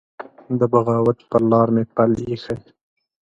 د بغاوت پر لار مي پل يښی